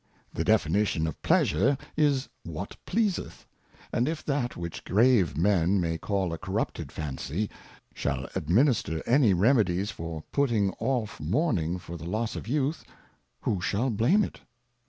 The Definition of Pleasure, is what pleaseth, and if that which grave Men may call a corrupted Fancy, shall adminster any Remedies for putting off mourning for the loss of Youth, who shall blame it